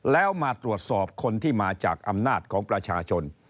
แล้วมาตรวจสอบคนที่มาจากอำนาจของประชาชน